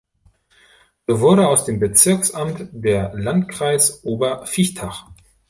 So wurde aus dem Bezirksamt der Landkreis Oberviechtach.